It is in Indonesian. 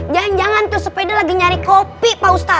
jangan jangan tuh sepeda lagi nyari kopi pak ustadz